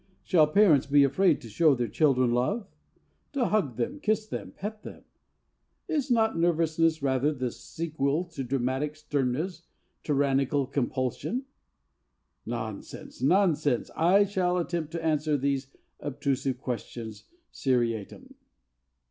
Shall parents be afraid to show their children love? To hug them, kiss them, pet them? Is not nervousness rather the sequel to draconic sternness, tyrannical compulsion? Nonsense! Nonsense! I shall attempt to answer these obtrusive questions seriatim.